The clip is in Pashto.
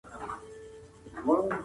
بد زړه تل نفرت خپروي